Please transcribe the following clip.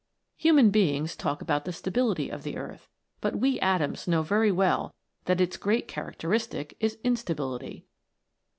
Human beings talk of the stability of the earth, but we atoms know very well that its great characteristic is instability.